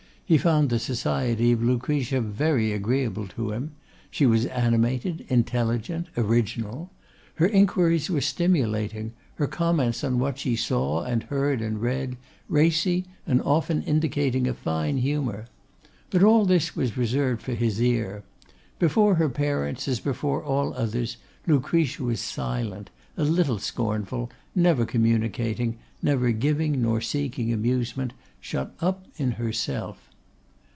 He found the society of Lucretia very agreeable to him; she was animated, intelligent, original; her inquiries were stimulating; her comments on what she saw, and heard, and read, racy and often indicating a fine humour. But all this was reserved for his ear. Before her parents, as before all others, Lucretia was silent, a little scornful, never communicating, neither giving nor seeking amusement, shut up in herself.